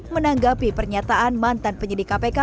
menanggapi pernyataan mantan penyidik kpk